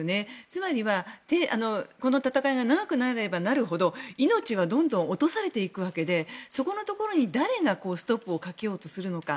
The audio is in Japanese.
つまりは、この戦いが長くなればなるほど命はどんどん落とされていくわけでそこのところに誰がストップをかけようとするのか。